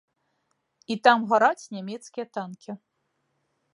І там гараць нямецкія танкі.